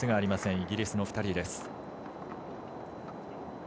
イギリスの２人です。